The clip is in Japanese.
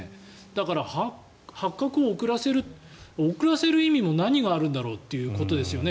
だから、発覚を遅らせる遅らせる意味も何があるんだろうということですよね。